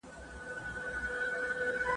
اوس یې مخ ته سمندر دی غوړېدلی ..